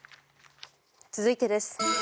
続いてです。